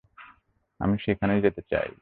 আমি সেখানে যেতে চাই।